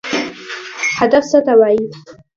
هدف څه ته وایي؟